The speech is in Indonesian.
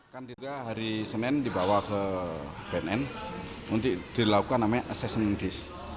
kan kita hari senin dibawa ke bnn untuk dilakukan asesmen medis